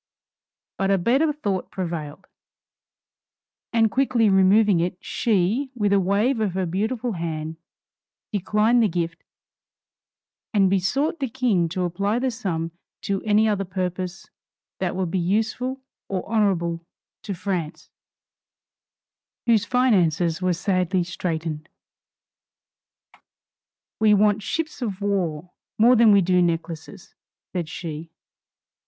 But a better thought prevailed, and quickly removing it, she, with a wave of her beautiful hand, declined the gift and besought the King to apply the sum to any other purpose that would be useful or honorable to France, whose finances were sadly straitened. "We want ships of war more than we do necklaces," said she.